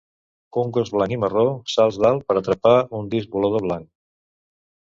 Un gos blanc i marró salts dalt per atrapar un disc volador blanc.